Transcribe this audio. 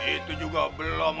itu juga belum